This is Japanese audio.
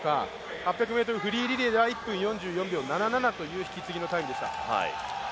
８００ｍフリーリレーでは１分４４秒７７という、引き継ぎのタイムでした。